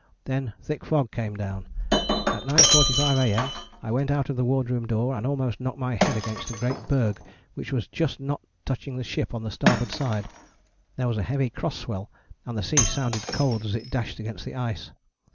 Then thick fog came down. At 9.45 A.M. I went out of the ward room door, and almost knocked my head against a great berg which was just not touching the ship on the starboard side. There was a heavy cross swell, and the sea sounded cold as it dashed against the ice.